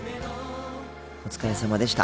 お疲れさまでした。